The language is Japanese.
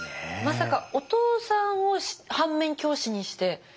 まさかお父さんを反面教師にして。